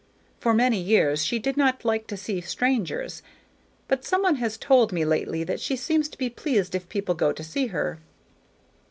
For many years she did not like to see strangers, but some one has told me lately that she seems to be pleased if people go to see her."